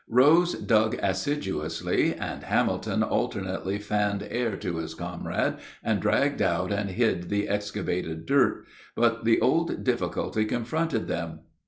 Rose dug assiduously, and Hamilton alternately fanned air to his comrade and dragged out and hid the excavated dirt, but the old difficulty confronted him.